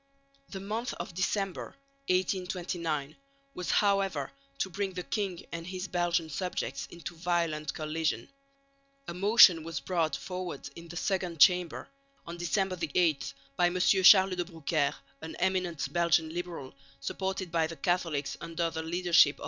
The month of December, 1829, was however to bring the king and his Belgian subjects into violent collision. A motion was brought forward in the Second Chamber (December 8) by M. Charles de Broukère, an eminent Belgian liberal supported by the Catholics under the leadership of M.